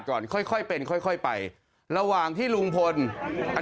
ก็ตอบได้คำเดียวนะครับ